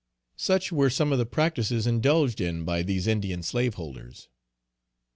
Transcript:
Such were some of the practises indulged in by these Indian slaveholders.